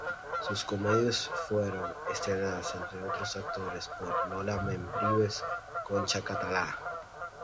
Sus comedias fueran estrenadas entre otros actores por Lola Membrives, Concha Catalá.